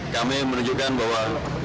kami menunjukkan bahwa